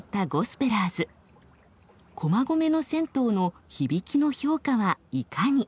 駒込の銭湯の響きの評価はいかに。